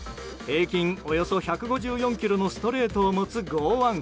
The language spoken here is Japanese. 平均およそ１５４キロのストレートを持つ剛腕。